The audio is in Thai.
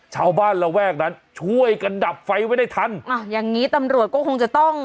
ชาวบ้านระแวกนั้นช่วยกันดับไฟไว้ได้ทันอ้าวอย่างงี้ตำรวจก็คงจะต้อง